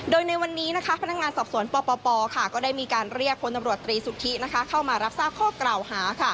โดยในวันนี้พนักงานสอบสวนปปก็ได้มีการเรียกพลตำรวจตรีสุทธิเข้ามารับทราบข้อกล่าวหา